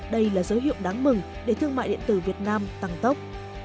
đây là dấu hiệu đáng mừng để thương mại điện tử việt nam tăng tốc